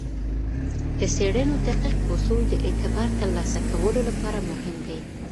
د څیړنو دقیق اصول د اعتبار ترلاسه کولو لپاره مهم دي.